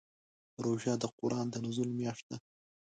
روژه د قرآن د نزول میاشت ده.